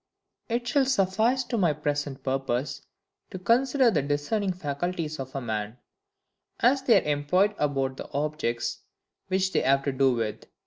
It shall suffice to my present purpose, to consider the discerning faculties of a man, as they are employed about the objects which they have to do with.